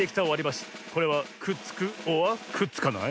これはくっつくｏｒくっつかない？